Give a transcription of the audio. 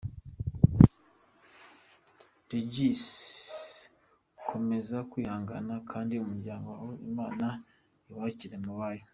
Regis? Komeza kwihangana Kandi umuryango wawe Imana iwakire mu bayo.